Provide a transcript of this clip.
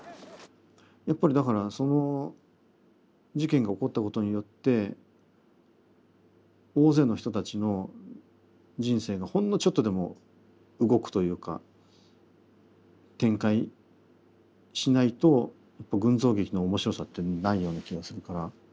やっぱりだからその事件が起こったことによって大勢の人たちの人生がほんのちょっとでも動くというか展開しないと群像劇の面白さってないような気がするから。